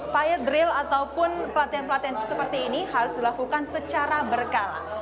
fire drill ataupun pelatihan pelatihan seperti ini harus dilakukan secara berkala